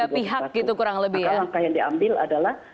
maka langkah yang diambil adalah